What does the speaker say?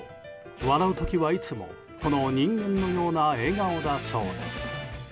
笑うときはいつもこの人間のような笑顔だそうです。